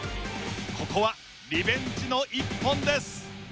ここはリベンジの一本です。